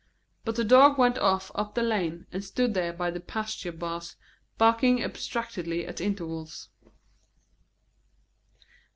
But the dog went off up the lane, and stood there by the pasture bars, barking abstractedly at intervals.